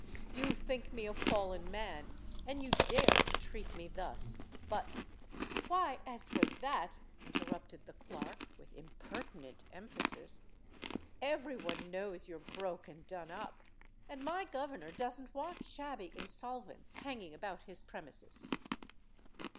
"You think me a fallen man—and you dare to treat me thus. But——" "Why, as for that," interrupted the clerk, with impertinent emphasis, "every one knows you're broke and done up—and my governor doesn't want shabby insolvents hanging about his premises."